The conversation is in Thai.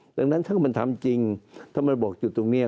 ดังนั้นถ้ามันทำจริงถ้ามันบอกจุดตรงนี้